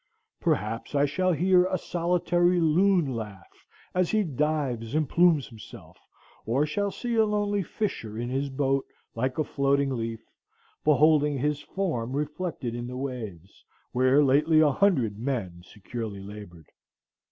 Perhaps I shall hear a solitary loon laugh as he dives and plumes himself, or shall see a lonely fisher in his boat, like a floating leaf, beholding his form reflected in the waves, where lately a hundred men securely labored.